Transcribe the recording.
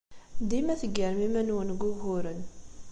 Dima teggarem iman-nwen deg wuguren.